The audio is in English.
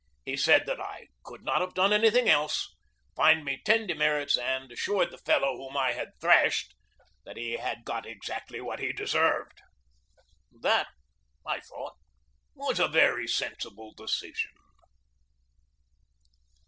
He said that I could not have done anything else, fined me ten de merits, and assured the fellow whom I had thrashed that he had got exactly what he deserved. That I thought was a very sensible decision.